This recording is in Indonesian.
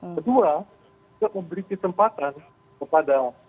kedua juga memberi kesempatan kepada